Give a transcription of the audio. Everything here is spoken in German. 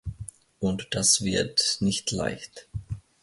Und das wird nicht leicht.